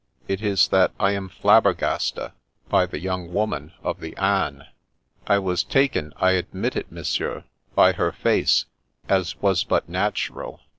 It is that I am flabbergasta by the young woman of the anes, I was taken, I admit it, Mon sieur, by her face, as was but natural.